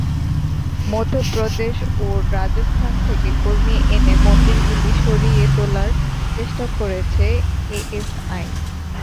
মধ্যপ্রদেশ ও রাজস্থান থেকে কর্মী এনে মন্দিরগুলি সারিয়ে তোলার চেষ্টা করছে এএসআই।